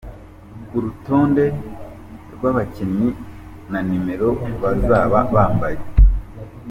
Urutonde rw’abakinnyi na numero bazaba bambaye